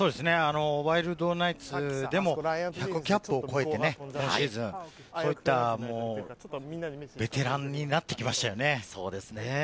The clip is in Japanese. ワイルドナイツでも１００キャップを超えて、ベテランになってきましたよね。